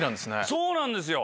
そうなんですよ。